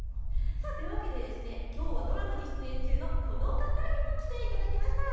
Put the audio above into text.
というわけできょうはドラマに出演中のこの方にも来ていただきました。